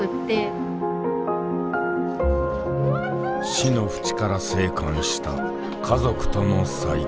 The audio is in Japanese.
死のふちから生還した家族との再会。